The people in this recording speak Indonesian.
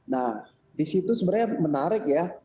nah di situ sebenarnya menarik ya